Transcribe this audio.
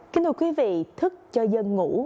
kính thưa quý vị thức cho dân ngủ